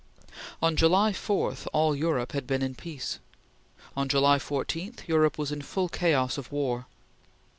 On July 4, all Europe had been in peace; on July 14, Europe was in full chaos of war.